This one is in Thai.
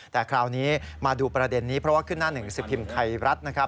แต่คราวนี้มาดูประเด็นนี้เพราะว่าขึ้นหน้าหนึ่งสิบพิมพ์ไทยรัฐนะครับ